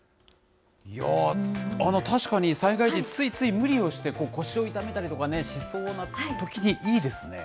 確かに災害時、ついつい無理をして腰を痛めたりとかしそうなときにいいですね。